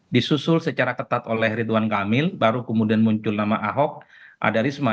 disusul secara ketat oleh ridwan kamil baru kemudian muncul nama ahok ada risma